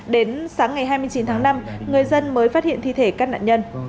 đến sáng ngày hai mươi chín tháng năm người dân mới phát hiện thi thể các nạn nhân